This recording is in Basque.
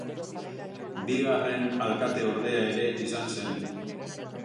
Bigarren alkate-ordea ere izan zen.